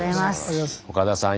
岡田さん